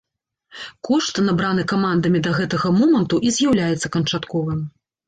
Кошт, набраны камандамі да гэтага моманту, і з'яўляецца канчатковым.